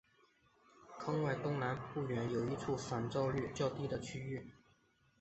坑外东南不远有一处反照率较低的区域。